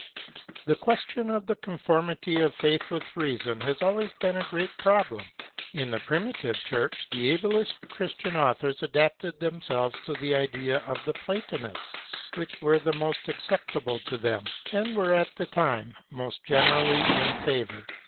The question of the conformity of faith with reason has always been a great problem. In the primitive Church the ablest Christian authors adapted themselves to the ideas of the Platonists, which were the most acceptable to them, and were at that time most generally in favour.